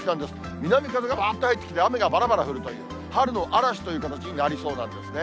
南風がわーっと入ってきて、雨がばらばら降るという、春の嵐という形になりそうなんですね。